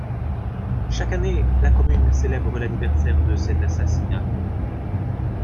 Chaque année, la Commune célèbre l'anniversaire de cet assassinat.